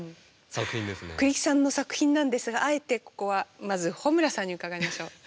栗木さんの作品なんですがあえてここはまず穂村さんに伺いましょう。